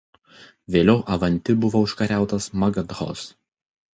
Vėliau Avanti buvo užkariautas Magadhos.